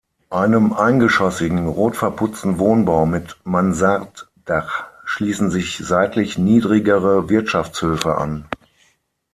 Einem eingeschossigen, rot verputzten Wohnbau mit Mansarddach schließen sich seitlich niedrigere Wirtschaftshöfe an.